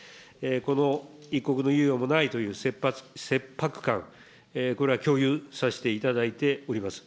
この一刻の猶予もないという切迫感、これは共有させていただいております。